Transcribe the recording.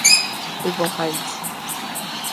Ivo Heinz.